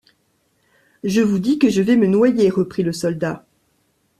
Je vous dis que je vais me noyer, reprit le soldat.